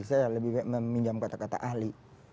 saya lebih meminjam kata kata ahli